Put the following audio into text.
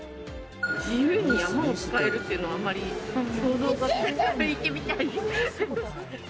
自由に山を使えるっていうのはあんまり、想像がつかない。